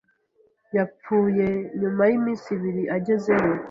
Yapfuye nyuma y'iminsi ibiri agezeyo.